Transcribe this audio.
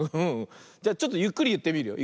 じゃちょっとゆっくりいってみるよ。